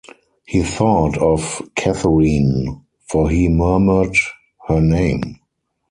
He thought of Catherine; for he murmured her name.